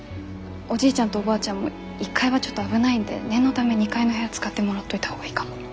おじいちゃんとおばあちゃんも１階はちょっと危ないんで念のため２階の部屋使ってもらっといた方がいいかも。